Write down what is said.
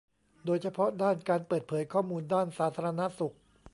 โดยเฉพาะด้านการเปิดเผยข้อมูลด้านสาธารณสุข